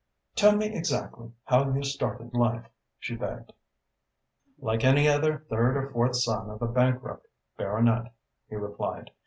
"Tell me exactly how you started life," she begged. "Like any other third or fourth son of a bankrupt baronet," he replied.